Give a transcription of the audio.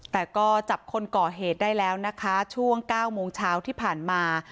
แต่ก็จับคนก่อเหตุได้แล้วนะคะช่วง๙โมงเช้าที่ผ่านมา